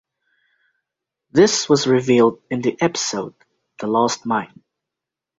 This was revealed in the episode The Lost Mine.